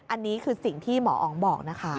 อันนี้คือสิ่งที่หมออ๋องบอกนะคะ